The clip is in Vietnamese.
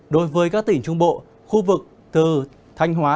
đối với các tỉnh trung bộ khu vực từ thanh hóa